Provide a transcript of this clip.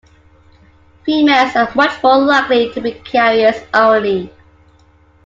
Females are much more likely to be carriers only.